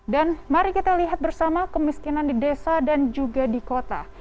dan mari kita lihat bersama kemiskinan di desa dan juga di kota